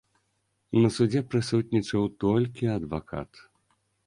На судзе прысутнічаў толькі адвакат.